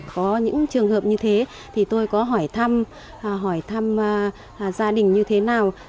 có những trường hợp như thế thì tôi có hỏi thăm gia đình như thế nào